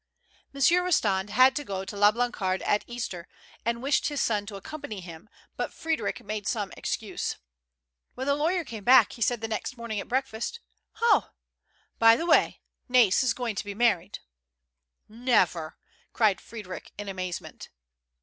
Monsieur Eostand had to go to La Blancarde at Easter, and wished his son to accompany him ; but Frdddric made some excuse. When the lawyer came back, he said the next morning at breakfast : THE LANDSLIP. 151 "Oh ! by the way, Nais is going to be married.'' "Never I " cried Frederic in amazement.